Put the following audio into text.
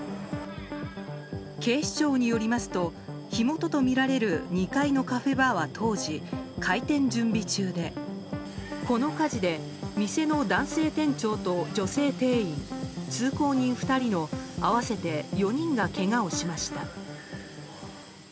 警視庁によりますと火元とみられる２階のカフェバーは当時開店準備中でこの火事で店の男性店長と女性店員通行人２人の合わせて４人がけがをしました。